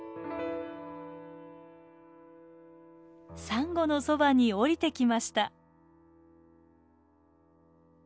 サンゴのそばに下りてきました。